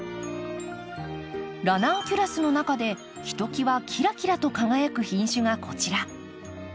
ラナンキュラスの中でひときわキラキラと輝く品種がこちら。